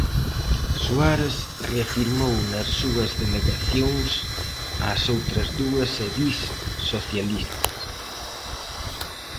Suárez reafirmou nas súas delegacións ás outras dúas edís socialistas.